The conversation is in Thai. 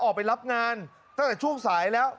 ออกไปรับงานตั้งแต่ช่วงสายแล้ว